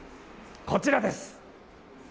こちらです。